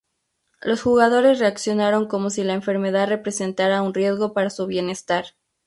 Los jugadores reaccionaron como si la enfermedad representará un riesgo para su bienestar.